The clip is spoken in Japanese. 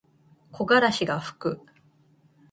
木枯らしがふく。